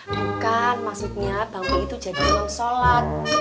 bukan maksudnya bang ropi'i jadi imam sholat